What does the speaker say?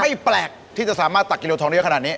แปลกที่จะสามารถตักกิโลทองได้เยอะขนาดนี้